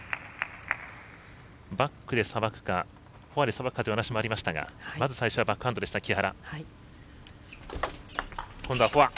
バックでさばくかフォアでさばくかというお話もありましたがまず最初はバックハンドでした木原。